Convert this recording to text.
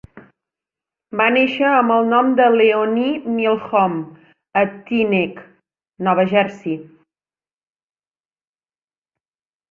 Va néixer amb el nom de Leonie Milhomme a Teaneck, Nova Jersey.